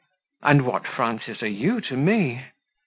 "And what, Frances, are you to me?"